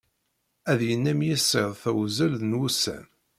Ad yennam yissiḍ tewzel n wussan.